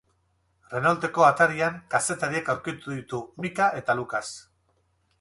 Renaulteko atarian kazetariak aurkitu ditu Micka eta Lucas.